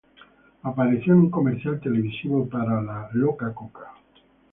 Apareció en un comercial televisivo para la "Coca-Cola".